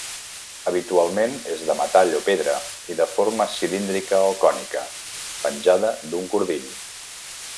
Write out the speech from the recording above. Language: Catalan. Habitualment és de metall o pedra i de forma cilíndrica o cònica, penjada d'un cordill.